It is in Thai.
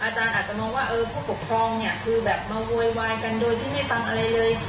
อาจารย์อาจจะมองว่าผู้ปกครองเนี่ยคือแบบมาโวยวายกันโดยที่ไม่ฟังอะไรเลย